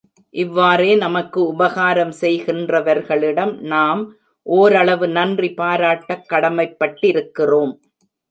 இவ்வாறே நமக்கு உபகாரம் செய்கின்றவர்களிடம் நாம் ஓரளவு நன்றி பாராட்டக் கடமைப்பட்டிருக்கிறோம்.